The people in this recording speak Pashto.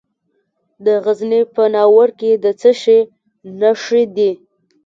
د غزني په ناور کې د څه شي نښې دي؟